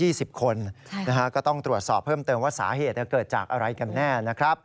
ก็ต้องตรวจสอบเพิ่มเติมว่าสาเหตุเกิดจากอะไรกันแน่นะครับ